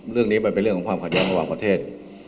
เรื่องนี้มันเป็นเรื่องของความขัดแย้งระหว่างประเทศ